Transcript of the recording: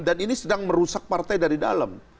dan ini sedang merusak partai dari dalam